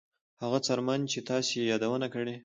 هغه څرمن چې تاسو یې یادونه کړې